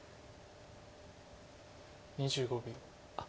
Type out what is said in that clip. ２５秒。